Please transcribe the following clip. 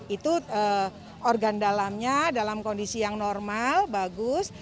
itu organ dalamnya dalam kondisi yang normal bagus